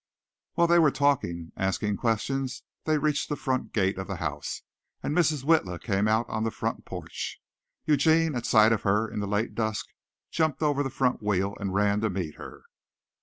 While they were talking, asking questions, they reached the front gate of the house, and Mrs. Witla came out on the front porch. Eugene, at sight of her in the late dusk, jumped over the front wheel and ran to meet her.